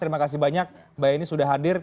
terima kasih banyak mbak yeni sudah hadir